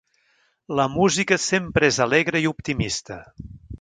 La música sempre és alegre i optimista.